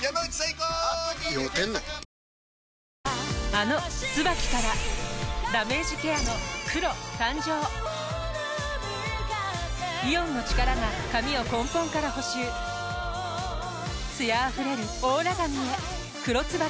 あの「ＴＳＵＢＡＫＩ」からダメージケアの黒誕生イオンの力が髪を根本から補修艶あふれるオーラ髪へ「黒ＴＳＵＢＡＫＩ」